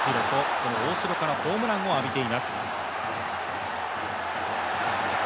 この大城からホームランを浴びています。